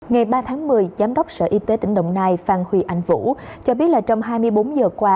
ngày ba tháng một mươi giám đốc sở y tế tỉnh đồng nai phan huy anh vũ cho biết là trong hai mươi bốn giờ qua